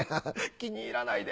気に入らないで。